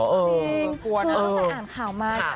จริงเธอเศรษฐ์อ่านข่าวมา